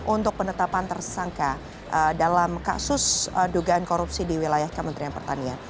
untuk penetapan tersangka dalam kasus dugaan korupsi di wilayah kementerian pertanian